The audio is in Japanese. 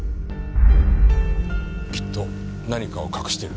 きっと何かを隠してる。